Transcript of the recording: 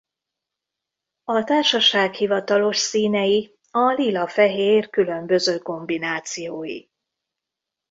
A társaság hivatalos színei a lila-fehér különböző kombinációi.